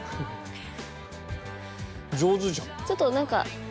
ちょっとなんか。